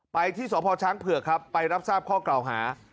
ไปที่สพช้างเผือกครับไปรับทราบข้อกล่าวหา